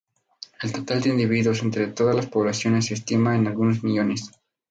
El total de individuos entre todas sus poblaciones se estima en algunos millones.